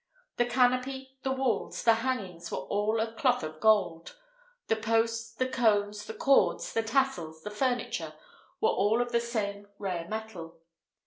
The canopy, the walls, the hangings, were all of cloth of gold; the posts, the cones, the cords, the tassels, the furniture, were all of the same rare metal.